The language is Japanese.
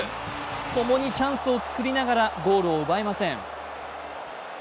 共にチャンスを作りながらゴールを奪えません。